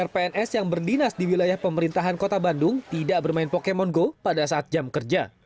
pns yang berdinas di wilayah pemerintahan kota bandung tidak bermain pokemon go pada saat jam kerja